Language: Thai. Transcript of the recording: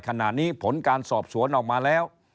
ขณะนี้ผลการสอบสวนออกมาแล้ว